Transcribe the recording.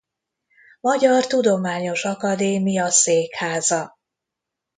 Magyar Tudományos Akadémia Székháza.